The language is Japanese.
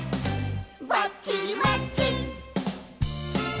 「バッチリマッチ！」